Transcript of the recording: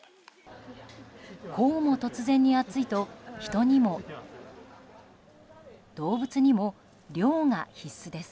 こうも突然に暑いと人にも動物にも涼が必須です。